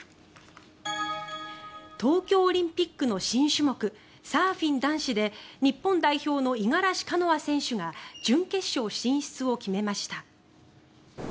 東京オリンピックの新種目サーフィン男子で日本代表の五十嵐カノア選手が準決勝進出を決めました。